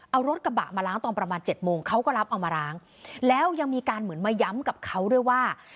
เอารถกระบะมาล้างตอนประมาณเจ็ดโมงเขาก็รับเอามาล้างแล้วยังมีการเหมือนมาย้ำกับเขาด้วยว่า